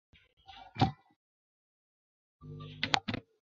出生于俄国的犹太家庭。